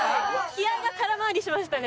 気合が空回りしましたね。